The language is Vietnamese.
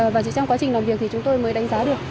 và chỉ trong quá trình làm việc thì chúng tôi mới đánh giá được